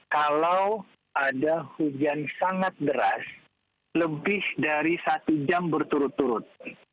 kalau ada hujan sangat deras lebih dari satu jam berturut turut